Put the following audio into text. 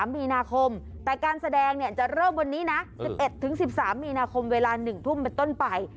มีนาคมแต่การแสดงจะเริ่มวันนี้นะ๑๑๑๑๓มีนาคมเวลา๑ทุ่มเป็นต้นไป